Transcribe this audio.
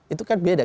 itu kan beda